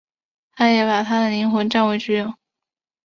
他也把她的灵魂据为己有。